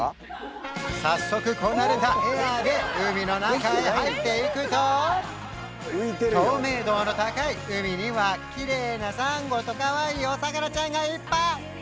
早速こなれたエアーで海の中へ入っていくと透明度の高い海にはきれいな珊瑚とかわいいお魚ちゃんがいっぱい！